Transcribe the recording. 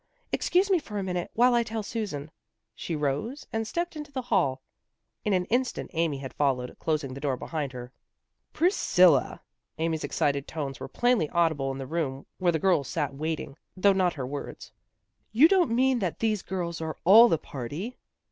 " Excuse me for a minute, while I tell Susan." She rose and stepped into the hall. In an instant Amy had followed, closing the door behind her. " Priscilla! " Amy's excited tones were plainly audible in the room where the girls 266 THE GIRLS OF FRIENDLY TERRACE sat waiting, though not her words. " You don't mean that these girls are all the party."